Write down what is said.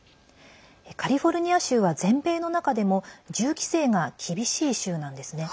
カリフォルニア州は全米の中でも銃規制が厳しい州なんですね。